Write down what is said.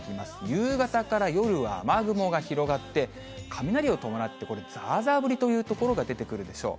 夕方から夜は雨雲が広がって、雷を伴って、ざーざー降りという所が出てくるでしょう。